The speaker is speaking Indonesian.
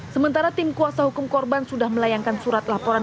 sementara tim kuasa hukum korban sudah melayangkan surat laporan